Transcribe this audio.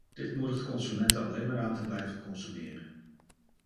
Dit moedigt consumenten alleen maar aan te blijven consumeren.